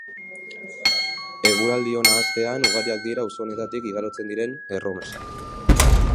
Eguraldi ona hastean ugariak dira auzo honetatik igarotzen diren erromesak.